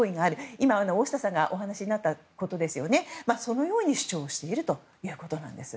今、大下さんがお話になったことですがそのように主張しているということです。